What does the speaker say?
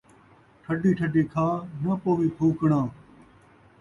ٹھڈھی ٹھڈھی کھا، ناں پووی پھوکݨا